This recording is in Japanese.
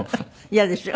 嫌でしょ？